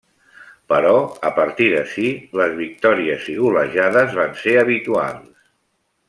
Però a partir d'ací, les victòries i golejades van ser habituals.